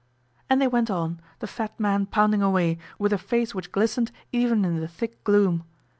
And they went on, the fat man pounding away, with a face which glistened even in the thick gloom.